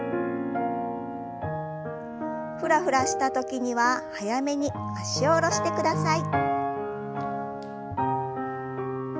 フラフラした時には早めに脚を下ろしてください。